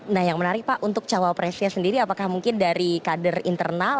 nah yang menarik pak untuk cawapresnya sendiri apakah mungkin dari kader internal